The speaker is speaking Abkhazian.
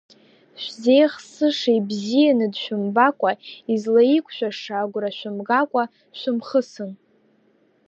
Шәзеихсыша ибзианы дшәымбакәа, излаиқәшәаша агәра шәымгакәа шәымхысын.